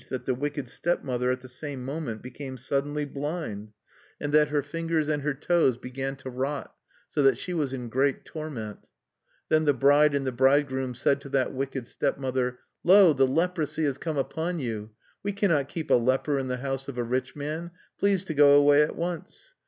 But, on the other hand, it was very strange that the wicked stepmother at the same moment became suddenly blind, and that her fingers and her toes began to rot, so that she was in great torment. Then the bride and the bridegroom said to that wicked stepmother: "Lo! the leprosy has come upon you! "We cannot keep a leper in the house of a rich man. Please to go away at once!